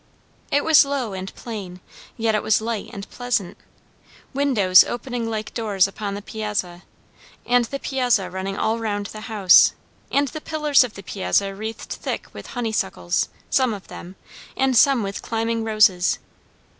It was low and plain, yet it was light and pleasant. Windows opening like doors upon the piazza, and the piazza running all round the house, and the pillars of the piazza wreathed thick with honeysuckles, some of them, and some with climbing roses.